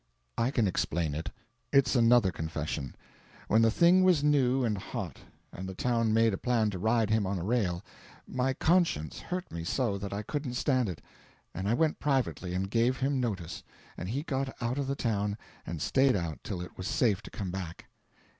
"I can explain it. It's another confession. When the thing was new and hot, and the town made a plan to ride him on a rail, my conscience hurt me so that I couldn't stand it, and I went privately and gave him notice, and he got out of the town and stayed out till it was safe to come back."